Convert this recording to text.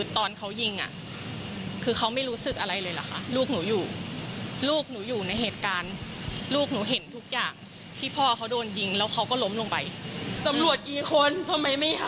ถามว่าติดใจทำได้รึไง